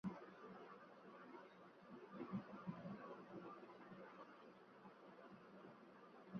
উনি বিখ্যাত জাতীয়তাবাদী নেতা ও শিক্ষাবিদ অশ্বিনী কুমার দত্ত, যিনি ওনার পরিবারের পরিচিত ছিলেন, দ্বারা প্রভাবিত হন।